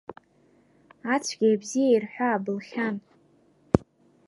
Ацәгьеи абзиеи рҳәаа былхьан.